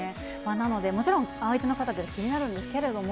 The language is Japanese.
なので、もちろん、相手の方というのは気になるんですけれども。